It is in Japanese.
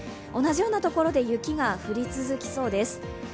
同じようなところで雪が降り続きそうです。